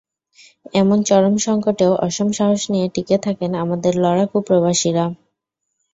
এমন চরম সংকটেও অসম সাহস নিয়ে টিকে থাকেন আমাদের লড়াকু প্রবাসীরা।